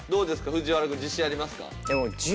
藤原くん自信ありますか？